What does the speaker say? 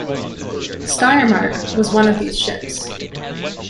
"Steiermark" was one of these ships.